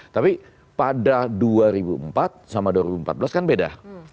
tapi pada dua ribu empat sama dua ribu empat belas kan beda